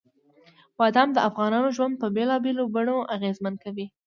بادام د افغانانو ژوند په بېلابېلو بڼو اغېزمن کوي.